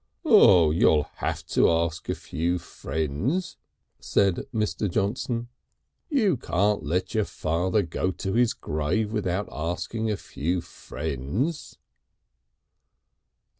"Oh! you'll have to ask a few friends," said Mr. Johnson. "You can't let your father go to his grave without asking a few friends."